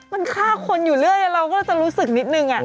มันฆ่าคนอยู่เรื่อยเราก็จะรู้สึกนิดนึง